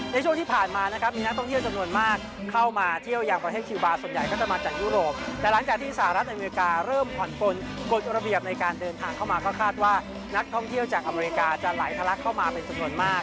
ในช่วงที่ผ่านมานะครับมีนักท่องเที่ยวจำนวนมากเข้ามาเที่ยวยังประเทศคิวบาร์ส่วนใหญ่ก็จะมาจากยุโรปแต่หลังจากที่สหรัฐอเมริกาเริ่มผ่อนปนกฎระเบียบในการเดินทางเข้ามาก็คาดว่านักท่องเที่ยวจากอเมริกาจะไหลทะลักเข้ามาเป็นจำนวนมาก